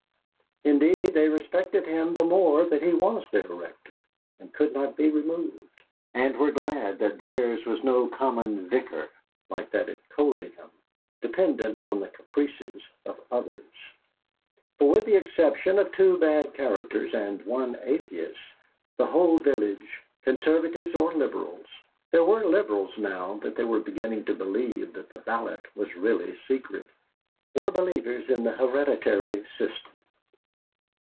Indeed, they respected him the more that he was their Rector, and could not be removed, and were glad that theirs was no common Vicar like that of Coldingham, dependent on the caprices of others. For, with the exception of two bad characters and one atheist, the whole village, Conservatives or Liberals (there were Liberals now that they were beginning to believe that the ballot was really secret), were believers in the hereditary system.